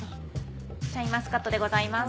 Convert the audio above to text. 「シャインマスカット」でございます。